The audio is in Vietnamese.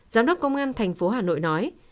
giám đốc công an tp hà nội nói